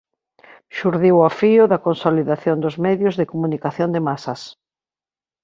Xurdiu ao fío da consolidación dos medios de comunicación de masas.